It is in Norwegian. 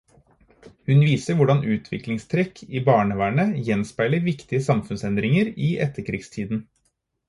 Hun viser hvordan utviklingstrekk i barnevernet gjenspeiler viktige samfunnsendringer i etterkrigstiden.